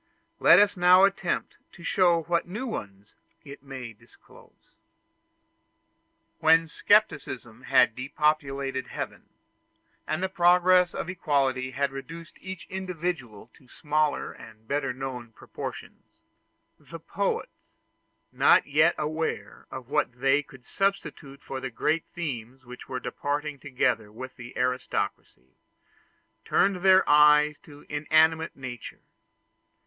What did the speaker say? Let us now attempt to show what new ones it may disclose. When scepticism had depopulated heaven, and the progress of equality had reduced each individual to smaller and better known proportions, the poets, not yet aware of what they could substitute for the great themes which were departing together with the aristocracy, turned their eyes to inanimate nature.